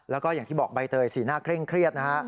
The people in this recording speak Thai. แล้วก็อย่างที่บอกใบเตยสีหน้าเคร่งเครียดนะฮะ